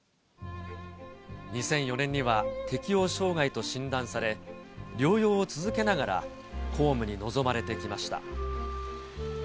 ２００４年には適応障害と診断され、療養を続けながら、公務に臨まれてきました。